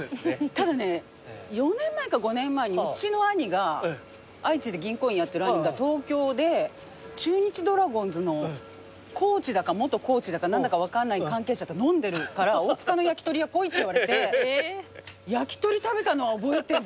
ただね４年前か５年前にうちの兄が愛知で銀行員やってる兄が東京で中日ドラゴンズのコーチだか元コーチだか何だか分かんない関係者と飲んでるから大塚の焼き鳥屋来いって言われて焼き鳥食べたのは覚えてんだよな。